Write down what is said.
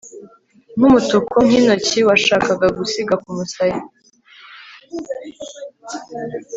nkumutuku nkintoki washakaga gusiga kumusaya